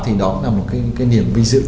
thì đó cũng là một cái niềm vinh dự